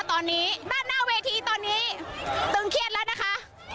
ตอนนี้ด้านหน้าเวทีตอนนี้ตึงเครียดแล้วนะคะ